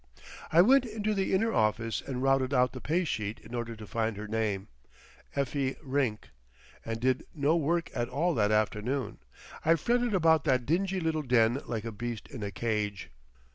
I went into the inner office and routed out the paysheet in order to find her name—Effie Rink. And did no work at all that afternoon. I fretted about that dingy little den like a beast in a cage.